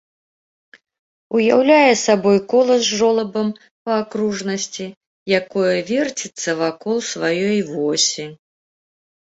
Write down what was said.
Уяўляе сабой кола з жолабам па акружнасці, якое верціцца вакол сваёй восі.